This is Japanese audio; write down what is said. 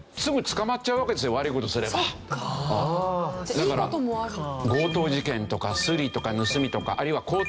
だから強盗事件とかスリとか盗みとかあるいは交通違反。